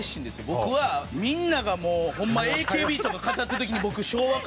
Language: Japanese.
僕はみんながホンマＡＫＢとか語ってる時に。